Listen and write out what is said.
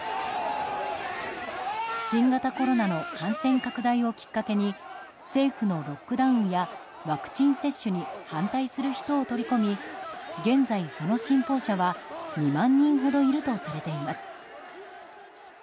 新型コロナの感染拡大をきっかけに政府のロックダウンやワクチン接種に反対する人を取り込み現在、その信奉者は２万人ほどいるとされています。